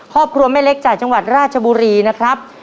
ครอบครัวแม่เล็กจากจังหวัดราชบุรีนะครับ